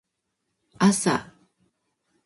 あさ